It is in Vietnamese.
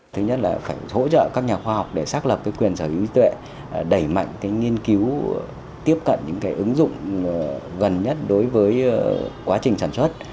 thứ nhất là phải hỗ trợ các nhà khoa học để xác lập quyền sở hữu trí tuệ đẩy mạnh nghiên cứu tiếp cận những ứng dụng gần nhất đối với quá trình sản xuất